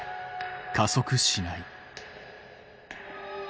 加速しない。